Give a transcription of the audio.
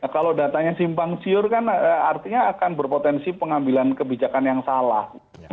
kalau datanya simpang siur kan artinya akan berpotensi pengambilan kebijakan yang salah